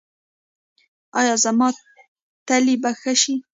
ایا زما تلي به ښه شي؟